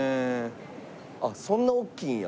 あっそんなおっきいんや。